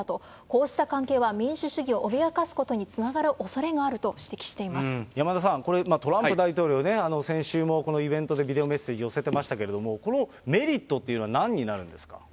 こうした関係は民主主義を脅かすことにつながるおそれがあると指山田さん、これ、トランプ大統領ね、先週もこのイベントでビデオメッセージ寄せてましたけれども、このメリットっていうのはなんになるんですか？